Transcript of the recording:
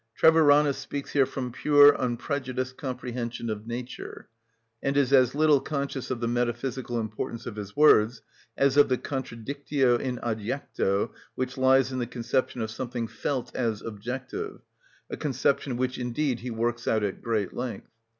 Treviranus speaks here from pure unprejudiced comprehension of nature, and is as little conscious of the metaphysical importance of his words as of the contradictio in adjecto which lies in the conception of something "felt as objective," a conception which indeed he works out at great length.